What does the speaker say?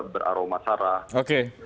beraroma sara oke